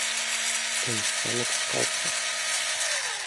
A sonic sculpture.